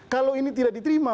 kalau ini tidak diterima